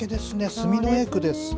住之江区です。